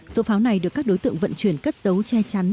số pháo này được các đối tượng vận chuyển cất dấu che chắn